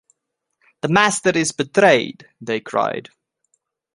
“The Master is betrayed!” they cried.